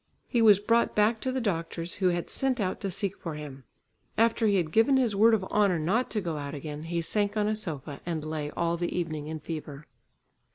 He was brought back to the doctor's who had sent out to seek for him. After he had given his word of honour not to go out again he sank on a sofa, and lay all the evening in fever.